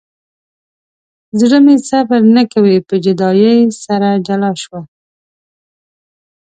زړه مې صبر نه کوي په جدایۍ سره جلا شول.